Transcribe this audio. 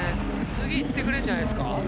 次いってくれるんじゃないですか。